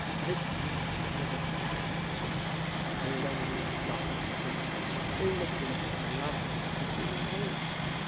This time it was a sad tune: a low, soft tune, liquid and lovely as a human voice.